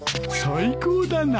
最高だな。